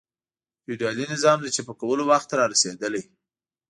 د فیوډالي نظام د چپه کولو وخت را رسېدلی.